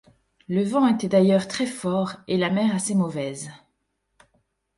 Le vent était d’ailleurs très-fort, et la mer assez mauvaise.